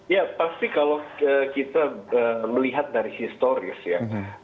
ya pasti kalau kita melihat dari historis ya